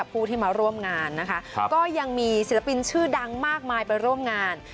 ผู้ที่มาร่วมงานนะคะก็ยังมีศิลปินชื่อดังมากมายไปร่วมงาน